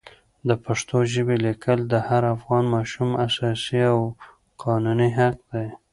د پښتو ژبې لیکل د هر افغان ماشوم اساسي او قانوني حق دی.